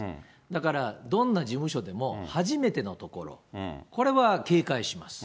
だから、どんな事務所でも、初めてのところ、これは警戒します。